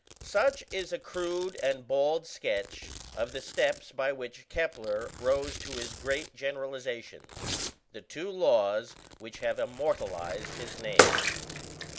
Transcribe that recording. Such is a crude and bald sketch of the steps by which Kepler rose to his great generalizations the two laws which have immortalized his name.